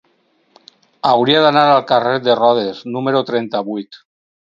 Hauria d'anar al carrer de Rodes número trenta-vuit.